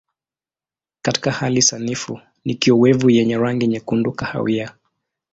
Katika hali sanifu ni kiowevu yenye rangi nyekundu kahawia.